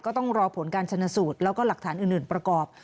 ต้องรอผลการชนสูตรแล้วก็หลักฐานอื่นประกอบ